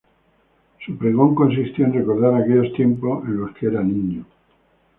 Su pregón consistió en recordar aquellos tiempos en los que era niño.